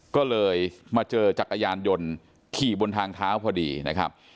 ก็เลยมาเจอจักรยานยนต์ขี่บนทางเท้าพอดีนะครับ